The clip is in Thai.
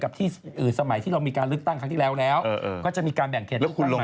แล้วคุณลงแม่